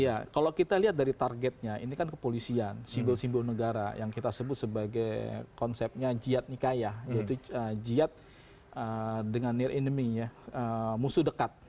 iya kalau kita lihat dari targetnya ini kan kepolisian simbol simbol negara yang kita sebut sebagai konsepnya jihad nikaya yaitu jihad dengan niar enemy ya musuh dekat